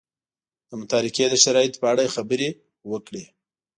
د متارکې د شرایطو په اړه یې خبرې وکړې.